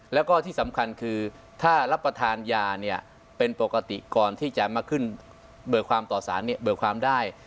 แล้วก็ที่สำคัญคือถ้ารับประทานยาเนี่ยเป็นปกติก่อนที่จะมาขึ้นเบิกความต่อสารเนี่ยเบิกความได้